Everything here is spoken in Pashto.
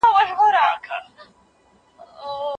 که میندې لوستې وي نو کور به یې بې نظمه نه وي.